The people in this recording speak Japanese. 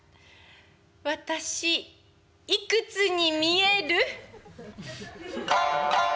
私いくつに見える？」。